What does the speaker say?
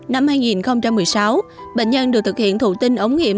năm hai nghìn một mươi sáu bệnh nhân được thực hiện thụ tinh ống nghiệm